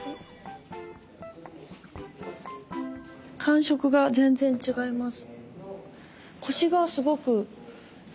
感触が全然違います。